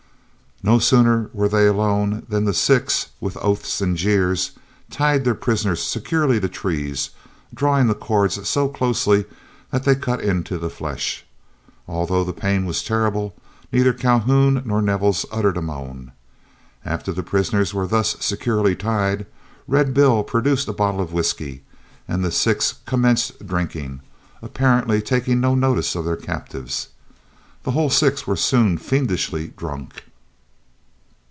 No sooner were they alone than the six, with oaths and jeers, tied their prisoners securely to trees, drawing the cords so closely that they cut into the flesh. Although the pain was terrible, neither Calhoun nor Nevels uttered a moan. After the prisoners were thus securely tied, Red Bill produced a bottle of whisky, and the six commenced drinking, apparently taking no notice of their captives. The whole six were soon fiendishly drunk.